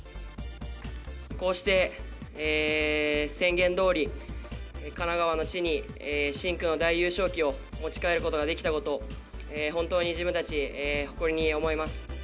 こうして宣言どおり、神奈川の地に深紅の大優勝旗を持ち帰ることができたこと、本当に自分たち、誇りに思います。